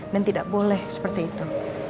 dan tidak boleh seperti itu